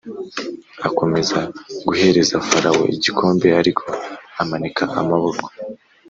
akomeza guhereza Farawo igikombe Ariko amanika amaboko